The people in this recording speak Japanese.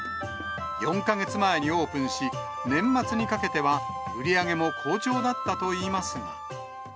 ４か月前にオープンし、年末にかけては売り上げも好調だったといいますが。